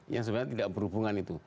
yang sebenarnya tidak berhubungan itu